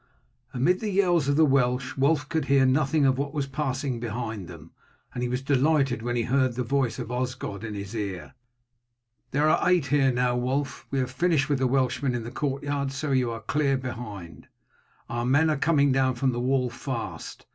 Amid the yells of the Welsh Wulf could hear nothing of what was passing behind them, and he was delighted when he heard the voice of Osgod in his ear. "There are eight here now, Wulf; we have finished with the Welshmen in the courtyard, so you are clear behind. Our men are coming down from the wall fast.